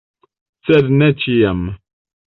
Sed ne ĉiam!